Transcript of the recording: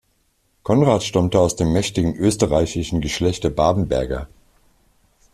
Konrad stammte aus dem mächtigen österreichischen Geschlecht der Babenberger.